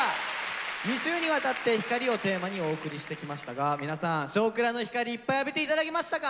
２週にわたって「ＨＩＫＡＲＩ」をテーマにお送りしてきましたが皆さん「少クラ」の光いっぱい浴びていただきましたか？